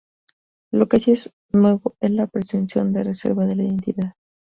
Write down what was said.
Lo que sí es nuevo es la pretensión de reserva de la identidad.